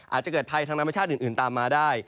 อาจจะเกิดไพทย์ทางน้ำประชาติอื่นตามมาได้